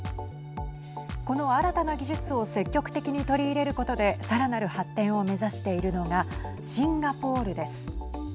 この新たな技術を積極的に取り入れることでさらなる発展を目指しているのがシンガポールです。